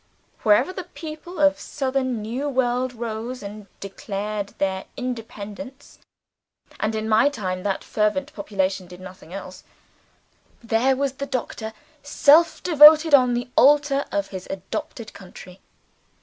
Wherever the people of the Southern New World rose and declared their independence and, in my time, that fervent population did nothing else there was the Doctor self devoted on the altar of his adopted country.